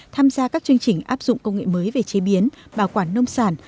tham gia các chương trình áp dụng công nghệ mới về chế biến bảo quản nông sản